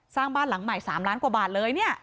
สร้างบ้านหลังใหม่๓ล้านกว่าบาทเลยเนี่ย